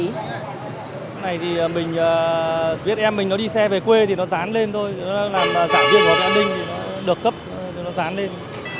cái này thì mình biết em mình nó đi xe về quê thì nó dán lên thôi nó làm giảng viên của học viện an ninh thì nó được cấp nó dán lên